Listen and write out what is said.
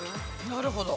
なるほど。